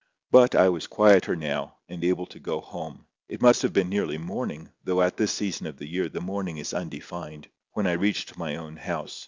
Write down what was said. But I was quieter now, and able to go home. It must have been nearly morning, though at this season of the year the morning is undefined, when I reached my own house.